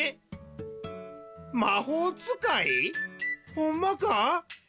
ほんまか？